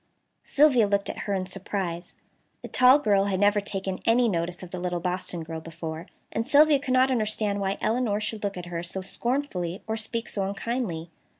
Sylvia looked at her in surprise. The tall girl had never taken any notice of the little Boston girl before, and Sylvia could not understand why Elinor should look at her so scornfully or speak so unkindly.